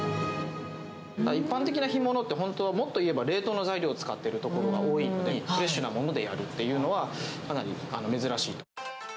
一般的な干物って、本当はもっといえば冷凍の材料を使ってるところが多いので、フレッシュなものでやるっていうのは、かなり珍しいと。